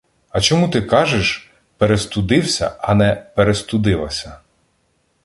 — А чому ти кажеш — перестудився, а не перестудилася?